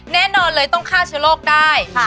แน่นอนเลยต้องฆ่าเชื้อโรคได้